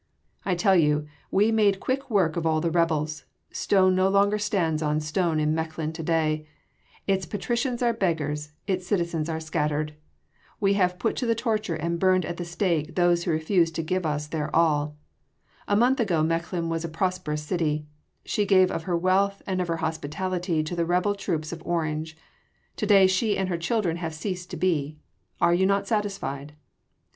I tell you we made quick work of all the rebels: stone no longer stands on stone in Mechlin to day: its patricians are beggars, its citizens are scattered. We have put to the torture and burned at the stake those who refused to give us their all. A month ago Mechlin was a prosperous city: she gave of her wealth and of her hospitality to the rebel troops of Orange. To day she and her children have ceased to be. Are you not satisfied?"